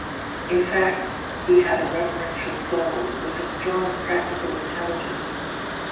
In fact, he had a reverential soul with a strong practical intelligence.